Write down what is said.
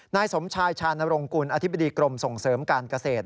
นายสมชายชานรงกุลอธิบดีกรมส่งเสริมการเกษตร